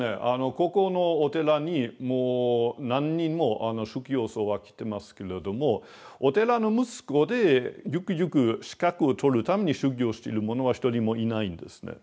ここのお寺にもう何人も修行僧は来てますけれどもお寺の息子でゆくゆく資格を取るために修行してる者は一人もいないんですね。